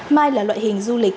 mai là loại hình du lịch